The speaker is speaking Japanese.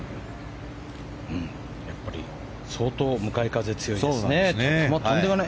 やっぱり、相当向かい風が強いんですね。